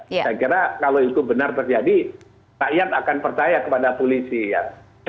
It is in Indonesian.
saya kira kalau itu benar terjadi rakyat akan percaya kepada polisi ya